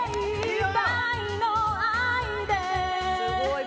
すごい。